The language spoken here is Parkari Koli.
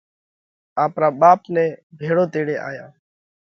آپرا ٻاپ نئہ ڀيۯو تيڙي آيا۔